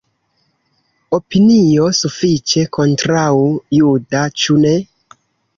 Opinio sufiĉe kontraŭ-juda, ĉu ne?